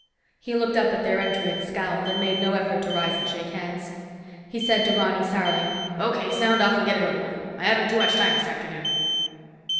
He looked up at their entry and scowled, and made no effort to rise and shake hands. He said to Ronny sourly, "O.K., sound off and get it over with. I haven't too much time this afternoon."